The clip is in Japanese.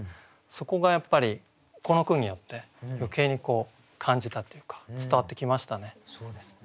そこがやっぱりこの句によって余計に感じたっていうか伝わってきましたね。